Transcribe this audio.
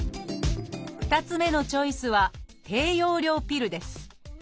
２つ目のチョイスは「低用量ピル」です。